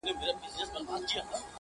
د درد پېټی دي را نیم کړه چي یې واخلم,